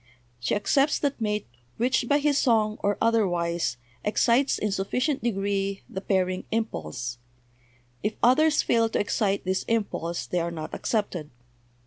"She accepts that mate which by his song or otherwise excites in sufficient degree the pairing impulse; if others fail to excite this impulse they are not accepted.